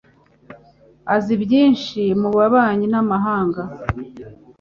Azi byinshi mububanyi n’amahanga.